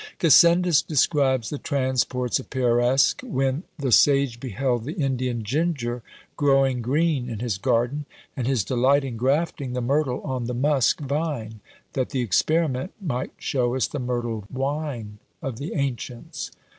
Gassendus describes the transports of Peiresc, when, the sage beheld the Indian ginger growing green in his garden, and his delight in grafting the myrtle on the musk vine, that the experiment might show us the myrtle wine of the ancients.